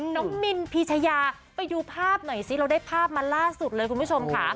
มินพีชยาไปดูภาพหน่อยซิเราได้ภาพมาล่าสุดเลยคุณผู้ชมค่ะ